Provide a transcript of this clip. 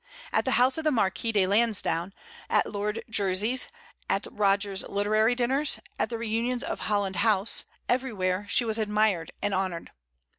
At the house of the Marquis of Lansdowne, at Lord Jersey's, at Rogers's literary dinners, at the reunions of Holland House, everywhere, she was admired and honored.